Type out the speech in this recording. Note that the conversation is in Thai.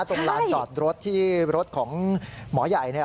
ส้นลานจอดรถที่รถของหมอใหญ่เนี่ย